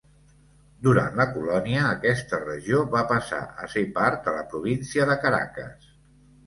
Durant la colònia aquesta regió va passar a ser part de la Província de Caracas.